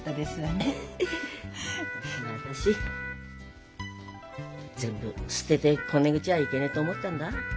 私全部捨ててこねくちゃいけねえと思ったんだ。